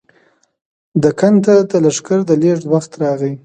دکن ته د لښکر د لېږد وخت راغی.